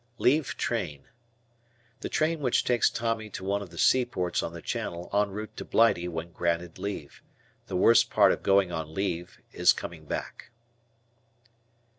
Leave Train. The train which takes Tommy to one of the seaports on the Channel en route to Blighty when granted leave. The worst part of going on leave is coming back.